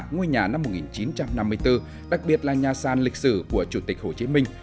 ngôi nhà năm một nghìn chín trăm năm mươi bốn đặc biệt là nhà sàn lịch sử của chủ tịch hồ chí minh